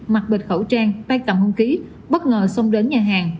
mặc bệt khẩu trang tay cầm hung ký bất ngờ xông đến nhà hàng